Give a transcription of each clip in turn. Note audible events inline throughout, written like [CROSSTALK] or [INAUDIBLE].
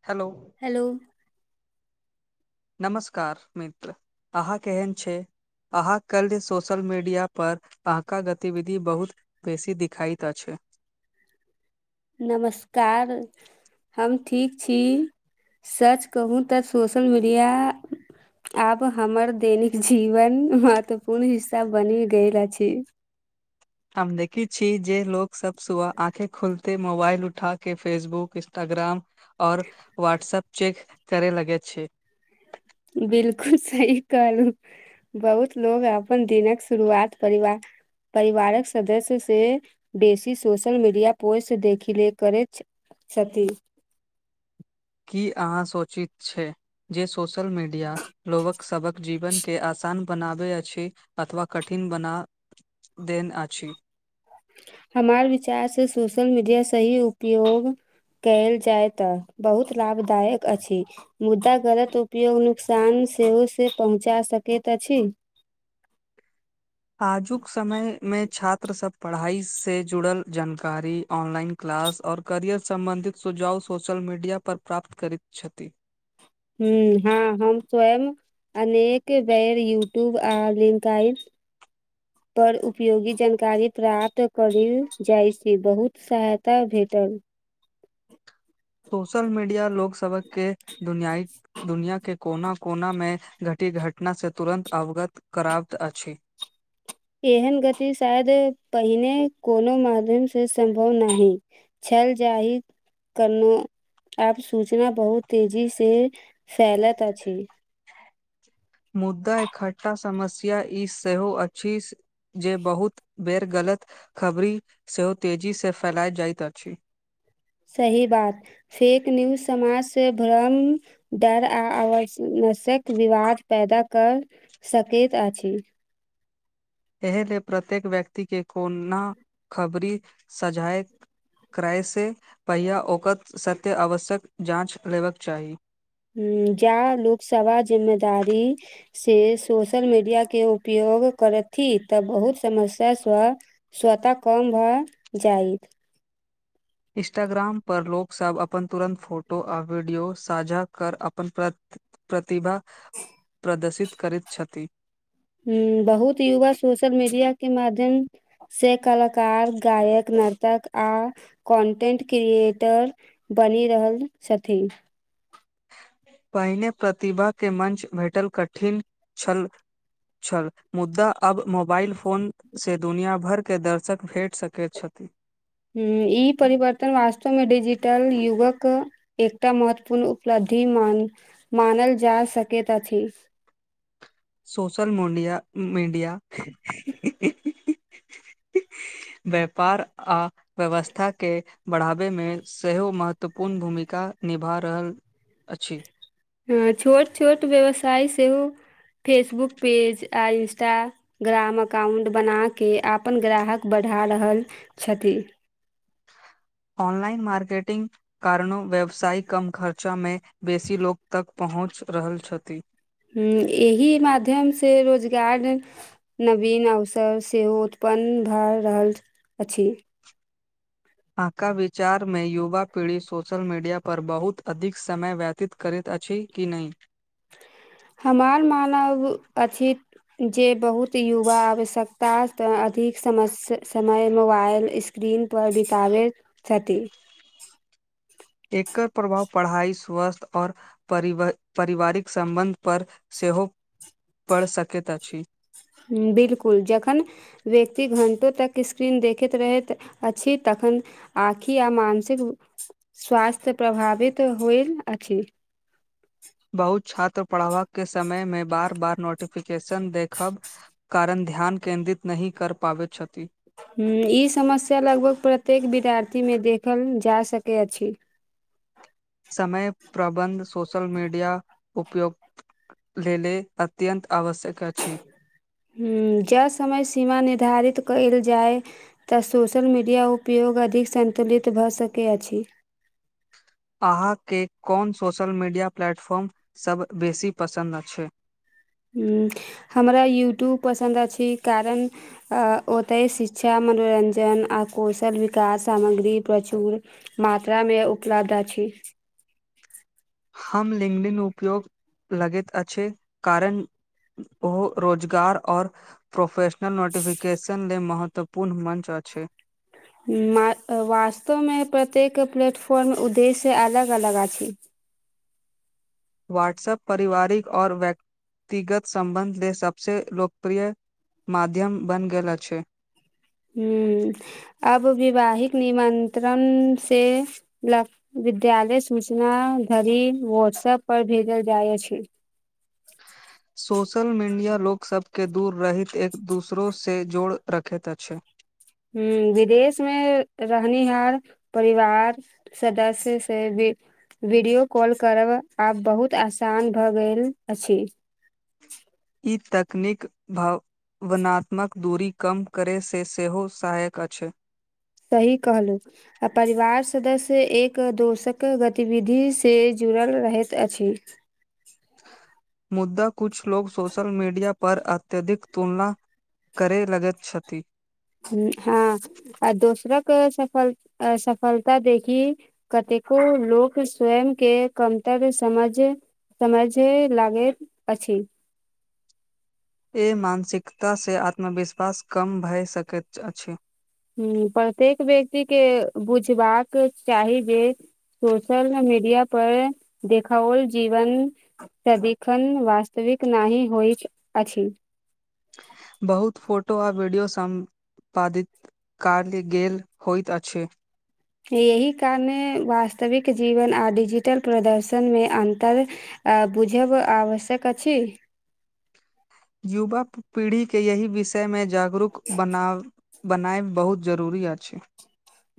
ह हेलो नमस्कार मित्र अहाँ केहन छै अहाँ काल्हि सोशल मीडियापर अहाँक गतिविधि बहुत बेसी देखिखाइत अछि नमस्कार हम ठीक छी सर्च कहू तऽ सोशल मीडिया आब हमर दैनिक जीवन महत्वपूर्ण हिस्सा बनि गेल अछि [INAUDIBLE] हम देखै छी जे लोक सब सुबह आँखे खुलते मोबाइल उठा के फेसबुक इस्टाग्राम और व्हाट्सऐप चेक करै लगै छै बिलकुल सही कहलू बहुत लोग अपन दिनक शुरुआत परिवार परिवारक सदस्य से बेसी सोशल मीडिया पोस्ट देखिले करैत क्षति की अहाँ सोचित छैइ जे सोशल मीडिया लोगक सभक जीवन के आसान बनाबै अछि अथवा कठिन बना देन अछि हमार विचार से सोशल मीडिया सही उपयोग कयल जाय तऽ बहुत लाभदायक अछि मुदा गलत उपयोग नुकसान सेहो से पहुँचा सकैत अछि आजुक समय मे छात्र सब पढ़ाई से जुड़ल जानकारी ऑनलाइन क्लास और करियर सम्बंधित सुझाव सोशल मीडिया पर प्राप्त करैत छथि हूंअ् हां हम तऽ एम अनेक बेर यूट्यूब आ लिंक आइज पर उपयोगी जानकारी प्राप्त करिल जाइत छी बहुत सहायता भेल त सोशल मीडिया लोक सभक के दुनिआइ दुनिया के कोना कोनामे घटी ई घटनासँ तुरन्त अवगत कराबत अछि [INAUDIBLE] एहन गति शायद पहिने कोनो माध्यम से सम्भव नहि कल जाही कनो आब सूचना बहुत तेजी से फैलत अछि मुदा इकठ्ठा समस्या ई सेहो अछि जे बहुत बेर गलत खबरी सेहो तेजी से फैलाई जाइत अछि [INAUDIBLE] सही बात फेक न्यूज समाज से भ्रम डर आ आव मस्यक विवाद पैदा कऽ सकैत अछि एहेले प्रत्येक व्यक्ति के कोन्ना खबरी सजाए करयसँ पहिया ओकत सत्य आवश्यक जाँच लेबाक चाही जाय लोकसभा जिम्मेदारी से सोशल मीडिया के उपयोग योग करथि तऽ बहुत समस्या स स्वतः कम भऽ जायत इस्टाग्राम पर लोकसब अपन तुरन्त फोटो आ वीडियो साझा कर अपन प्रति प्रतिभा प्रदर्शित करैत छथि हूंअ् बहुत युवा सोशल मीडिया के माध्यम से कलाकार गायक नर्तक आ कॉन्टेंट क्रिएटर बनि रहल छथि पहिने प्रतिभाके मञ्च भेटल कठिन छल छल मुद्दा अब मोबाइल फोनसे दुनिया भर के दर्शक भेट सकैत छथि हूं ई परिवर्तन वास्तव मे डिजिटल युगक एकटा महत्वपूर्ण उपलब्धि मान मानल जा सकैत अछि [INAUDIBLE] सोशल मडिया मीडिया व्यापार आ व्यवस्था के बढ़ाबैमे सेहो महत्वपूर्ण भूमिका निभा रहल अछि हँअ् छोट छोट व्यवसाय सेहो फेसबुक पेज आ इंस्टाग्राम अकाउंट बनाके अपन ग्राहक बच बढ़ा रहल छथि ऑनलाइन मार्केटिंग कारणो व्यवसायिक कम खर्चा मे बेसी लोक तक पहुँच पहुँच रहल छथि ह एहि माध्यम से रोजगार नवीन अवसर सेहो उत्प पन्न भए रहल अछि आका विचार मे युवा पीढ़ी सोशल मीडिया पर बहुत अधिक समय व्यतीत करैत अछि कि नहि हमार मानव अछि जे बहुत युवा आवश्यकतास अधिक समस्य समय मोबाइल स्क्रीन दिन पर बितावैत छथि एकर प्रभाव पढ़ाई स्वस्थ्य ओर परिव परिवारिक संबंध पर से सेहो पढ़ सकैत अछि हु बिल्कुल जखन व्यक्ति घण्टो तक स्क्रीन देखैत रहैत अछि तख ह आँखि आ मानसिक स्वास्थ्य प्रभावित होईल अछि [INAUDIBLE] बहुत छात्र पढ़ाव के समय मे बार बार नोटिफिकेशन देखब कारण ध्यान केंन्द्रित नहि कर पाबैत छथि ह ई समस्या लगभग प्रत्येक विद्यार्थीमे देखल जा सकैत अछि [INAUDIBLE] समय प्रबन्ध सोशल मीडिया उपयोक लेले अत्यन्त आवश्यक अछि हू जँ समय सीमा निर्धारित कयल जाय तऽ सोशल मीडिया उपयोग अधिक सं सन्तुलित भऽ सकै अछि अहाँके कोन सोशल मीडिया प्लेटफॉर्मसभ बेसी पसन्द अछै हू हमरा यूट्यूब पसन्द अछि कारण अ ओतय शिक्षाम मनोरञ्जन आ कौशल विकास सामग्री प्रचुर मात्रामे उपलब्ध अछि [INAUDIBLE] हम लिंगडिन उपयोग लगैत अछि कारण ओ रोजगार ओर प्रोफेश नोटिफिकेशन लेल महत्वपूर्ण मञ्च अछै हू मा वास्तवमे प्रत्येक प्लेटफॉर्म उद्देश्य अलग अलग अछि [INAUDIBLE] व्हट्सएप पारिवारिक और व्यक्तिगत संबन्ध लेल सबसे लोकप्रिय माध्यम बन गेल अछै हू अब विवाहिक निमंत्रण से लक विद्यालय सूचना धरी वॉट्सऐप पर भेजल जाइ अछै सोशल मीडिया लोकग सबबके दूर रहहित एक दूसरो से जोड़ रखैत अछै हूं विदेश मे रहनिहार परिवार सदस्य से वीडियो कॉल करब आब बहुत आसान भ गेल अछि तकनीक भाव वनात्मक दूरी के कम करै से सेहो सहायक अछै सही कहलहु आ परिवार सदस्य एक दोषक गतिविधि से जुड़ल रहैत अछि मुद्दा कुछ लोग सोशल मीडिया पर अत्यधिक तुलना करै लगत छथि हूं हँ आ दोसरक सफल सफलता देखि कतेक को लोक स्वयं के कमतर समझ समझे लागे अछी एह मानसिकता से आत्मविश्वास कम भए सकैत अछि हूं प्रत्येक व्यक्तिे के बुझबाक चाही बे सोशल मीडिया पर देखाओल जीवन सदिखन वास्तविक नाहि होइत अछि बहुत फोटो आ वीडियो सम्पादित कार पल गेल होइत अछै [UNINTELLIGIBLE] यही कारणे वास्तविक जीवन आर डिजिटल प्रदर्शन मे अन्तर अ बुझब आवश्यक अछि युवा पीढ़ी के यही विषय मे जागरूक बनाव बनायब बहुत जरूरी अछि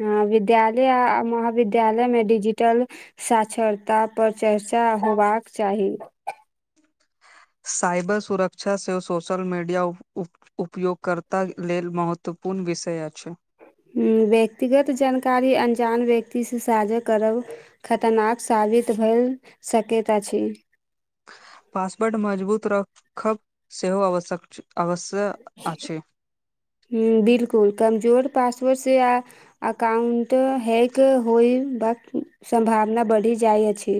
ह विद्यालय आ महाविद्यालय में डिजिटल साझरता पर चर्चा चर्चा होबाक चाही साइबर सुरक्षा सेहो सोशल मीडिया उपयोगकर्ता लेल महत्वपूर्ण महत्वपूर्ण विषय अछि ह व्यक्तिगत जानकारी अनजान व्यक्त से साझा करब खतरनाक साझ भेल सकैत अछि पासवर्ट मजबूत रखब सेहो आवश्यक छै अवश्य आछि बिलकुल कमजोर पासवर्ड से अकाउंट हैक होय बाक सम्भावना बढ़ि जाइ अछि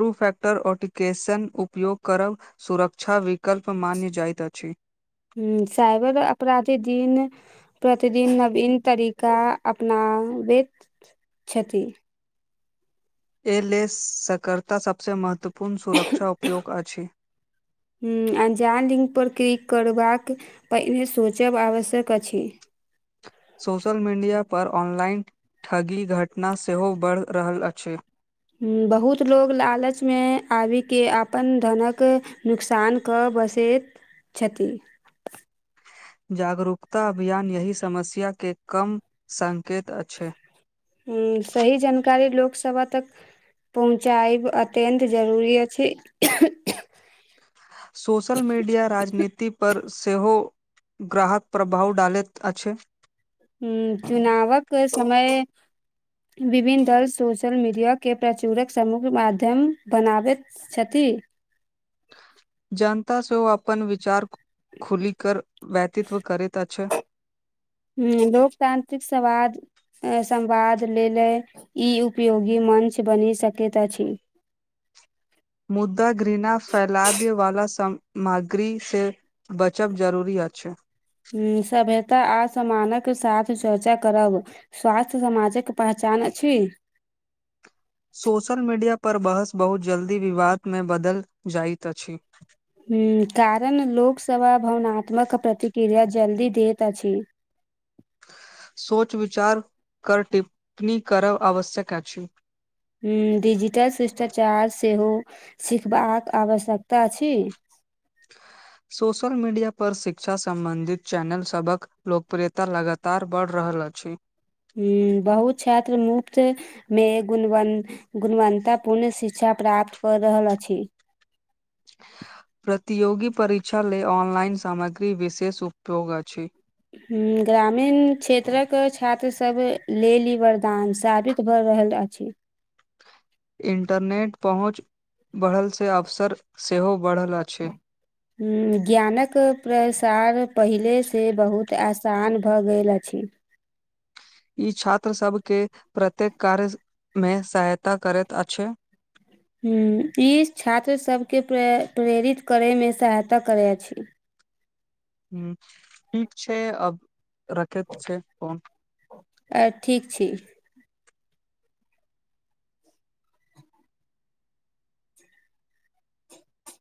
टु फेक्टर ऑटिकेशन उपयोग करब सुरक्षा विक ह साइबर अपराध प्रतिदिन प्रतिदिन नवीन तरीका अपनाबैत छथि एहि लेल सकर्ता सभ सँ महत्वपूर्ण सुरक्षा उपयोग अछि अजान लिंक पर क्लिक करबाक पहिने सोचब आवश्यक अछि सोशल मीडिया पर ऑनलाइन ठगी घटना सेहो बढ़ि रहल अछि बहुत लोग लालच मे आबि के अपन धनक नुकसान कऽ बसेत छथि जागरूकता अभियान यही समस्या के कम संकेत अछि ह सही जानकारी लोकसभा तक पहुँचायब अत्यंत जरूरी अछि सोशल मीडिया राजनीति पर सेहो ग्राहक प्रभाव डालैत अछि ह चुनावक समय विभिन्न दल सोशल मीडिया के प्रचुरक समग्र माध्यम बनाबैत छथि [INAUDIBLE] जनताँ सेहो अपन विचार खुलि कर व्यक्तित्व करैत अछि ह लोकतांत्रिक संवाद संवाद लेल ई उपयोगी मञ्च बनि सकैत अछि मुद्दा मगरी से बचब जरूरी अछि ह सभ्यता आ समानक साथ चर्चा करब स्वास्थ्य समाजक पहचान अछि सोशल मीडिया पर बहस बहुत जल्दी विवाद मे बदल जाइत अछि ह कारण लोकसभा भावनात्मक प्रतिक्रिया जल्दी दैत अछि [INAUDIBLE] सोच विचार कर टिप्पणी करब आवश्यक अछि हुँ डिजिटल शिष्टाचार सेहो सिखबाक आवश्यकता अछि [INAUDIBLE] सोशल मीडिया पर शिक्षा सम्बंधित चैनल सभक लोकप्रियता लगातार बढ़ि रहल अछि अछि ह बहु छात्र मुफ्त मे गु गुणवत्तपूर्ण शिक्षा प्राप्त करऽ रहल अछि प्रतियोगी परीक्षा ले अनलइन सामग्री विशेष उपयोग अछि ह ग्रामीण क्षेत्रक छात्र सब लेल ह वरदान साबित भऽ रहल अछि इंटरनेट पहुँच बढ़ल से अवसर सेहो ब ह ज्ञानक प्र सार पहिलेसँ बहुत आसान भऽ गेल अछि ई छात्र सभके प्रत्येक कार्यमे सहायता करैत अछि ह ई छात्र सभके प्र प्रेरित करयमे सहायता करै अछि ह ठीक छै अब रखैत छै फोन आ ठीक छी